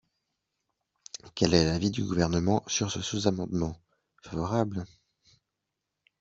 Quel est l’avis du Gouvernement sur ce sous-amendement ? Favorable.